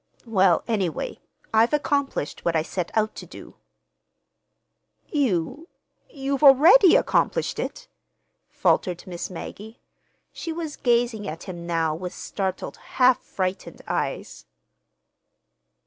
"Well, anyway, I've accomplished what I set out to do." "You you've already accomplished it?" faltered Miss Maggie. She was gazing at him now with startled, half frightened eyes.